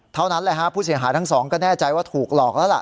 เท่านั้นแหละฮะผู้เสียหายทั้งสองก็แน่ใจว่าถูกหลอกแล้วล่ะ